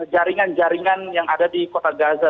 jaringan jaringan yang ada di kota gaza